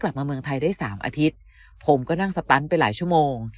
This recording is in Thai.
มาเมืองไทยได้สามอาทิตย์ผมก็นั่งสตันไปหลายชั่วโมง